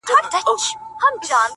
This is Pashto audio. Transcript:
o خواړه د رنگه خوړل کېږي.